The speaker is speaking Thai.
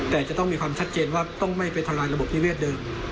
แต่จะต้องมีความชัดเจนว่าต้องไม่ไปทำลายระบบนิเวศเดิม